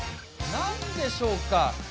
何でしょうか。